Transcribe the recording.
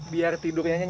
biar tidurnya nyampe